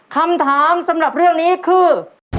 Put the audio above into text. คำถามสำหรับเรื่องนี้คือ